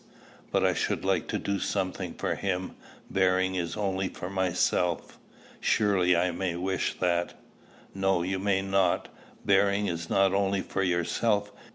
"But I should like to do something for him; bearing is only for myself. Surely I may wish that?" "No: you may not. Bearing is not only for yourself.